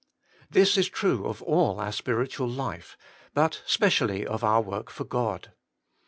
This is true of all our spiritual life, but specially of our work for God.